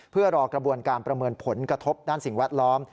เพื่อรอกระบวนการประเมินผลกระทบด้านสิ่งแวดล้อม